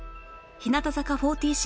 日向坂４６